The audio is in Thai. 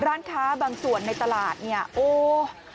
ร้านค้าบางส่วนในตลาดเนี่ยโอ้